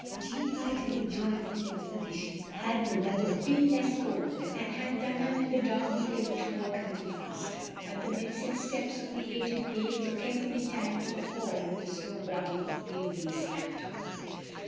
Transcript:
Jeanne might have enjoyed these expeditions had the weather been less cold, and had Dunham and the dog been able to walk a little faster. But the mincing steps of the aged maid were caref tilly timed to accord with the slow waddle of the obese lap dog.